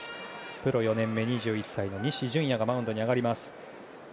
プロ４年目、２１歳の西純矢がマウンドに上がります。